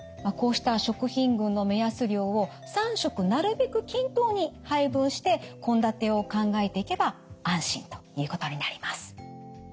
こうした食品群の目安量を３食なるべく均等に配分して献立を考えていけば安心ということになります。